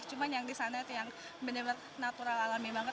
cuman yang disana yang bener bener natural alami banget